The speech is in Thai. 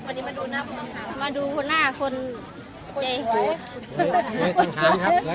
วันนี้มาดูหน้าผู้ต้องหาคะมาดูหน้าคนเจ๋าไหวต่างหาค่ะ